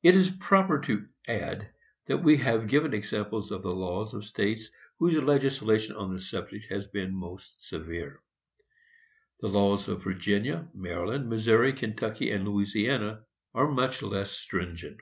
] It is proper to add that we have given examples of the laws of states whose legislation on this subject has been most severe. The laws of Virginia, Maryland, Missouri, Kentucky and Louisiana, are much less stringent.